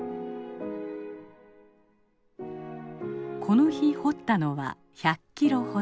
この日掘ったのは１００キロほど。